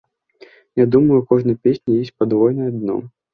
Я думаю, у кожнай песні ёсць падвойнае дно.